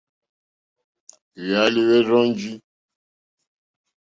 Hwéálí hwɛ́ rzɔ́njì.